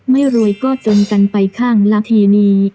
ไม่รวยก็จนกันไปข้างละทีนี้